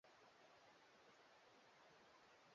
Vana vechu siku hidhi ukitaka kuvavaka mpaka mahari ave makuru.